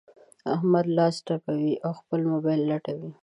احمد لاس تپوي؛ او خپل مبايل لټوي.